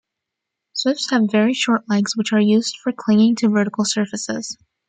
Swifts have very short legs which are used for clinging to vertical surfaces.